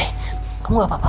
kamu gak apa apa